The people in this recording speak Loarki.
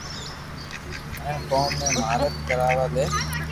ھيين ڪوم ۾ ماھارت ڪروا دي